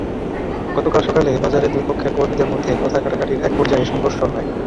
গতকাল সকালে বাজারে দুই পক্ষের কর্মীদের মধ্যে কথা-কাটাকাটির একপর্যায়ে সংঘর্ষ হয়।